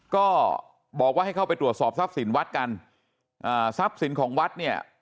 ก็บอกว่าให้เข้าไปตรวจสอบทรัพย์สินวัดกันอ่าทรัพย์สินของวัดเนี่ย